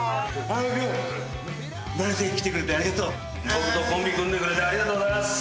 僕とコンビ組んでくれてありがとうございます。